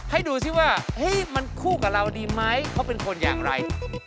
ให้ดูสิว่ามันคู่กับเราดีไหมเขาเป็นคนอย่างไร